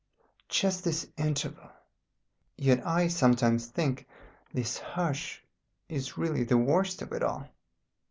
Just this interval. "Yet I sometimes think this hush is really the worst of it all.